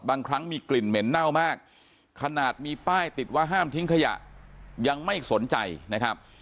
บางครั้งมีกลิ่นเหม็นเน่ามากขนาดมีป้ายติดว่าห้ามทิ้งขยะยังไม่สนใจนะครับ